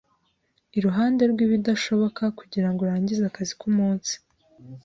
Iruhande rwibidashoboka kugirango urangize akazi kumunsi.